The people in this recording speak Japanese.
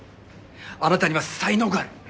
あなたには才能がある。